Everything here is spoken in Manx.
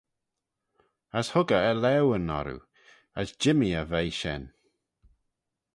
As hug eh e laueyn orroo, as jimmee eh veih shen.